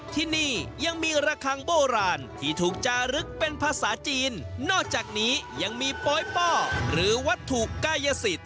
ที่นี่ยังมีระคังโบราณที่ถูกจารึกเป็นภาษาจีนนอกจากนี้ยังมีโป๊ยป้อหรือวัตถุกายสิทธิ